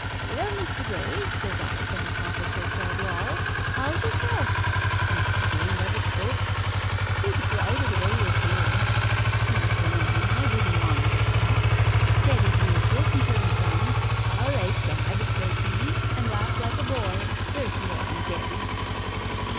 "Well, Mr. Graye," says I from the top o' church'ard wall, "how's yerself?" Mr. Graye never spoke he'd prided away his hearen. Seize the man, I didn' want en to spak. Teddy hears it, and turns round: "All right, Gad!" says he, and laughed like a boy. There's more in Teddy.